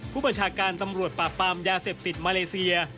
ผู้บัญชาการตำรวจปราบปรามยาเสพติดมาเลเซีย